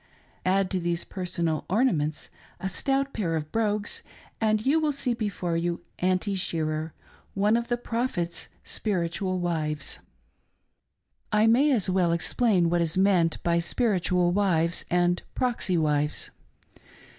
Add to these personal ornaments a stout pair of brogues, and you will see before you " Aunty Shearer," one of the Prophet's spiritual wives. I inay as well explain what is meant by "spiritual" wives and "proxy'' wives.